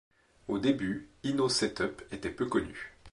Au début Inno Setup était peu connu.